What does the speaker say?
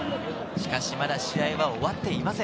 まだ試合は終わっていません。